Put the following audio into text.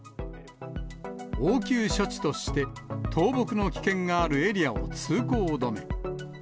応急処置として倒木の危険があるエリアを通行止め。